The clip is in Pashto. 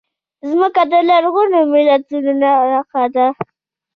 مځکه د لرغونو ملتونو نښه ده.